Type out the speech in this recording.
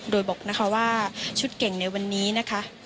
โดยบอกนะคะว่าชุดเก่งในวันนี้นะคะ